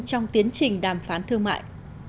trong tiến trình đàm phán thương mại